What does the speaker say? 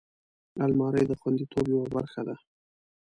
الماري د خوندیتوب یوه برخه ده